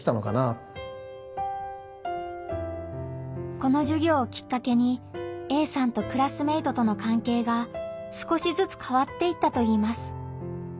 このじゅぎょうをきっかけにＡさんとクラスメートとのかんけいが少しずつ変わっていったといいます。